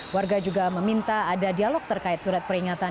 warga juga meminta ada dialog terkait surat peringatan